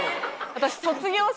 私。